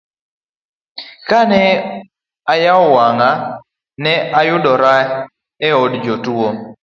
Ka ne ayawo wang'a, ne ayudora e od jotuo.